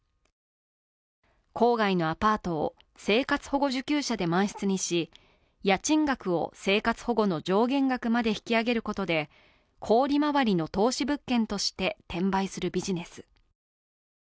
郊外のアパートを生活保護受給者で満室にし、家賃額を生活保護の上限額まで引き上げることで、高利回りの投資物件として転売するビジネス。